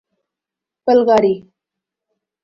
بلغاری